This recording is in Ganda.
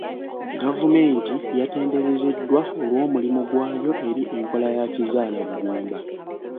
Gavumenti yatenderezeddwa olw'omulimu gwayo eri enkola ya kizaalaggumba.